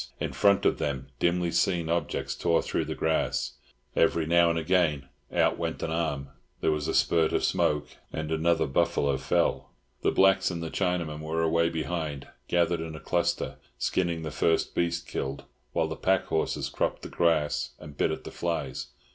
In front of them dimly seen objects tore through the grass; every now and again out went an arm, there was a spurt of smoke, and another buffalo fell. The blacks and the Chinaman were away behind, gathered in a cluster, skinning the first beast killed, while the pack horses cropped the grass and bit at the flies.